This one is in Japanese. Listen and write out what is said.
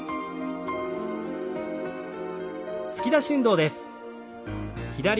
突き出し運動です。